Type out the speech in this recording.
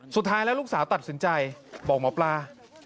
สุดท้ายแล้วลูกสาวตัดสินใจบอกหมอปลา